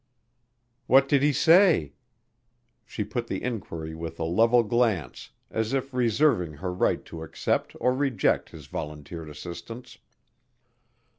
"What did he say?" She put the inquiry with a level glance as if reserving her right to accept or reject his volunteered assistance.